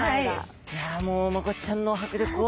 いやもうマゴチちゃんの迫力を。